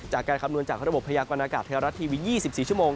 คำนวณจากระบบพยากรณากาศไทยรัฐทีวี๒๔ชั่วโมง